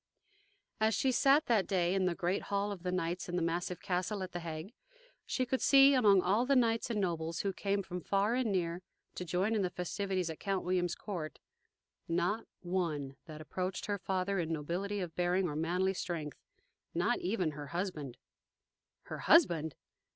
As she sat, that day, in the great Hall of the Knights in the massive castle at The Hague, she could see, among all the knights and nobles who came from far and near to join in the festivities at Count William's court, not one that approached her father in nobility of bearing or manly strength not even her husband. Her husband?